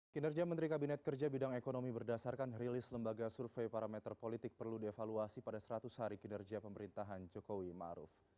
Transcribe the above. kinerja menteri kabinet kerja bidang ekonomi berdasarkan rilis lembaga survei parameter politik perlu dievaluasi pada seratus hari kinerja pemerintahan jokowi maruf